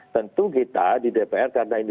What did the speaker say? tentu kita di dpr karena ini